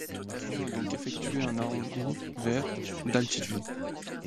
L'avion a donc effectué un arrondi vers d'altitude.